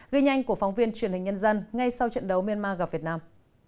ghi nhanh của phóng viên truyền hình nhân dân ngay sau trận đấu myanmar gặp việt nam